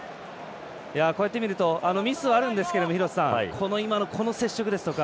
こうやって見るとミスはあるんですけど今の接触ですとか。